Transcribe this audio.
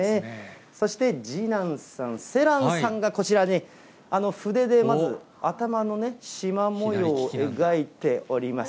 そして次男さん、世藍さんがこちらに筆でまず頭のね、しま模様を描いております。